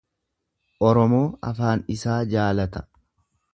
Oromoo afaan isaa jaalata.